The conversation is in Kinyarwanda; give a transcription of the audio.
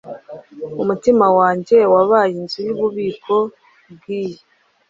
Umutima wanjye wabaye inzu yububiko bwinhi